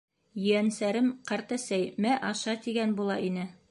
Ейәнсәрем, ҡартәсәй, мә аша, тигән була ине.